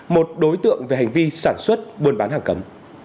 một đối tượng về hành vi sản xuất buôn bán hàng cấm